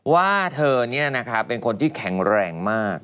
ว่าเธอเป็นคนที่แข็งแรงมาก